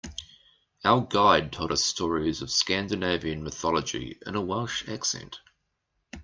Our guide told us stories of Scandinavian mythology in a Welsh accent.